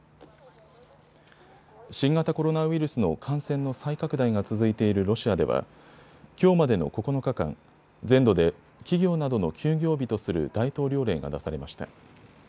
新型コロナウイルスの感染の再拡大が続いているロシアではきょうまでの９日間、全土で企業などの休業日とする大統領令が出されました。